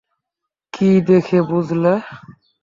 কী দেখে বুঝলে?